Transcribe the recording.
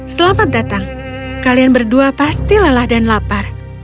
selamat datang kalian berdua pasti lelah dan lapar